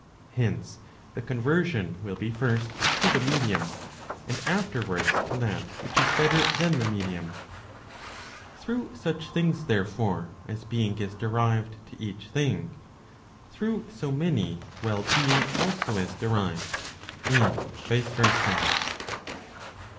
Hence the conversion will be first to the medium, and afterwards to that which is better than the medium. Digitized by Google PROP. XXXIX. XL. OF THEOLOGY. 329 Through such things therefore as being is derived to each thing, through so many well being also is derived, and vice versa.